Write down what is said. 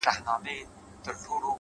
ریښتینی عزت اخیستل نه بلکې ګټل کېږي